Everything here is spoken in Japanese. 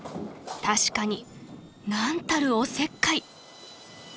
［確かになんたるおせっかい］